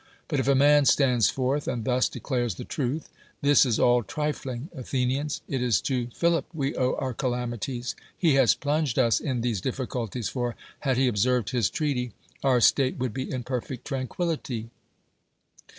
But if a man stands forth, and thus declares the truth: "This is all trifling, Athenians I It is to Philip Ave owe our calamities: he has plunged us in these difficulties ; for had he observed his treaty, our state would be in perfect tranquil lity!"